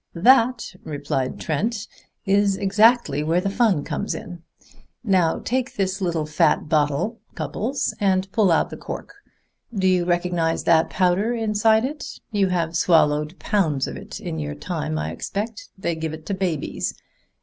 "That," replied Trent, "is exactly where the fun comes in. Now take this little fat bottle, Cupples, and pull out the cork. Do you recognize that powder inside it? You have swallowed pounds of it in your time, I expect. They give it to babies.